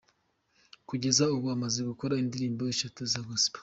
Kugeza ubu amaze gukora indirimbo eshatu za Gospel.